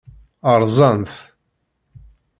Rẓan-t.